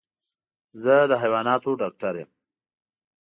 زه د حيواناتو ډاکټر يم.